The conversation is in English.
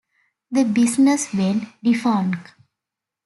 The business went defunct.